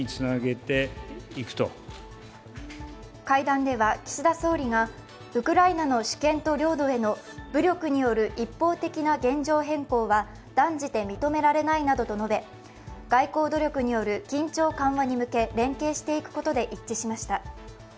会談では岸田総理がウクライナの主権と領土への武力による一方的な現状変更は断じて認められないなどと述べ外交努力による緊張緩和に向け連携していくことで一致しました。